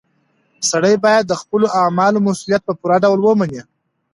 سړی باید د خپلو اعمالو مسؤلیت په پوره ډول ومني.